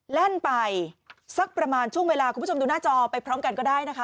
แล่นไปสักประมาณช่วงเวลาคุณผู้ชมดูหน้าจอไปพร้อมกันก็ได้นะคะ